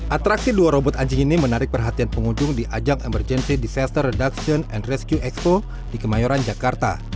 atraksi dua robot anjing ini menarik perhatian pengunjung di ajang emergency disaster reduction and rescue expo di kemayoran jakarta